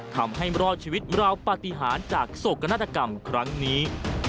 ทำให้รอดชีวิตราวปฏิหารจากโศกนาฏกรรมครั้งนี้